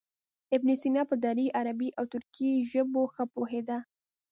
ابن سینا په دري، عربي او ترکي ژبو ښه پوهېده.